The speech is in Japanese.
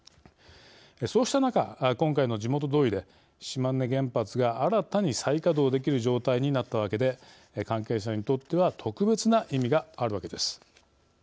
そうした中、今回の地元同意で島根原発が新たに再稼働できる状態になったわけで、関係者にとっては特別な意味があるわけです。